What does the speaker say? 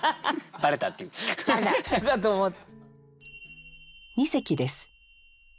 バレたって句かと思った。